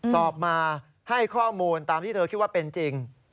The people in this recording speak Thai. สอบมาให้ข้อมูลตามที่เธอคิดว่าเป็นจริง